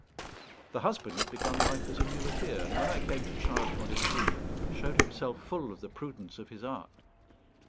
The husband had begun life as a muleteer, and when I came to charge Modestine showed himself full of the prudence of his art.